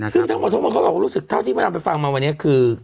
ซึ่งทั้งหมดทุกคนเขาบอกว่ารู้สึกเท่าที่มันอาจไปฟังมาวันนี้คือ